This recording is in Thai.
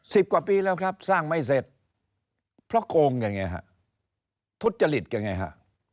กว่าปีแล้วครับสร้างไม่เสร็จเพราะโกงกันไงฮะทุจจริตกันไงฮะ